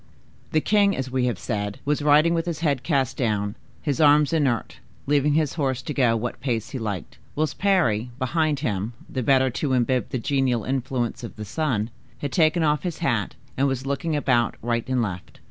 The king, as we have said, was riding with his head cast down, his arms inert, leaving his horse to go what pace he liked, whilst Parry, behind him, the better to imbibe the genial influence of the sun, had taken off his hat, and was looking about right and left.